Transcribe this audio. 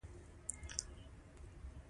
ما ورته وویل: له تاسو ټولو وړاندې زه ځم.